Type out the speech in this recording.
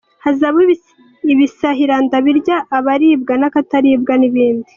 Hazabaho ibisahiranda birya akaribwa n’akataribwa’’, n’ibindi.